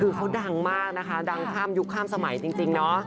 คือเขาดังมากนะคะดังข้ามยุคข้ามสมัยจริงเนาะ